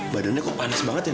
badannya kok panas banget ya